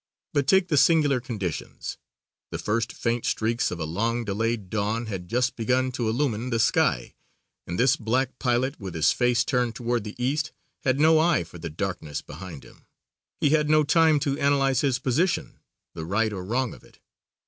But take the singular conditions: the first faint streaks of a long delayed dawn had just begun to illumine the sky and this black pilot with his face turned toward the East had no eye for the darkness behind him. He had no time to analyze his position, the right or wrong of it.